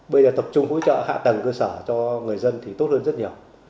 bây giờ tập trung hỗ trợ hạ tầng cơ sở cho người dân thì tốt hơn rất nhiều